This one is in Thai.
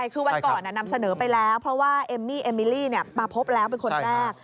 คือวันก่อนนำเสนอไปแล้วเพราะว่าเอมมี่เอมิลี่มาพบแล้วเป็นคนแรก